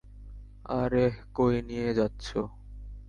আরেহ, কই নিয়ে যাচ্ছো।